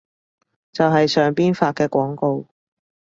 就係上邊發嘅廣告